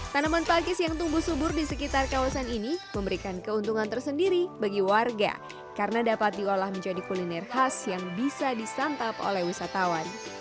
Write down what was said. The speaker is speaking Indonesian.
tanaman pakis yang tumbuh subur di sekitar kawasan ini memberikan keuntungan tersendiri bagi warga karena dapat diolah menjadi kuliner khas yang bisa disantap oleh wisatawan